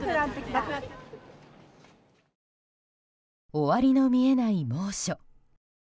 終わりの見えない猛暑。